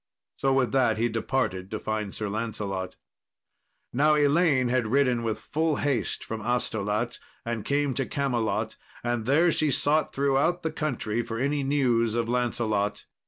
So with that he departed to find Sir Lancelot. Now Elaine had ridden with full haste from Astolat, and come to Camelot, and there she sought throughout the country for any news of Lancelot.